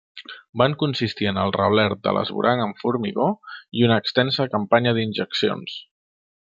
Van consistir en el reblert de l'esvoranc amb formigó i una extensa campanya d'injeccions.